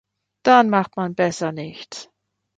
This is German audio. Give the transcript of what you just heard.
Dann macht man besser nichts.